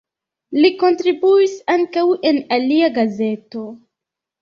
Li kontribuis ankaŭ en alia gazeto.